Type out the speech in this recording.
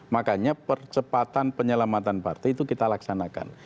makanya percepatan penyelamatan partai itu kita laksanakan